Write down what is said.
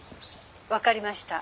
☎分かりました。